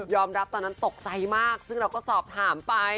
รับตอนนั้นตกใจมากซึ่งเราก็สอบถามไป